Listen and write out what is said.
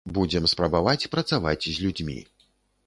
Будзем спрабаваць працаваць з людзьмі.